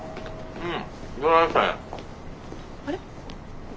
うん。